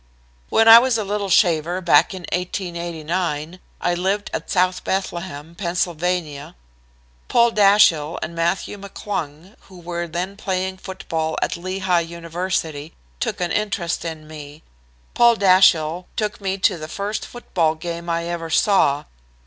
"When I was a little shaver, back in 1889, I lived at South Bethlehem, Pa. Paul Dashiell and Mathew McClung, who were then playing football at Lehigh University, took an interest in me. Paul Dashiell took me to the first football game I ever saw.